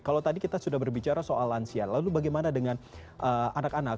kalau tadi kita sudah berbicara soal lansia lalu bagaimana dengan anak anak